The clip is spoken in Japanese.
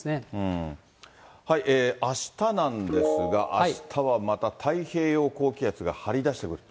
あしたなんですが、あしたはまた太平洋高気圧が張り出してくる。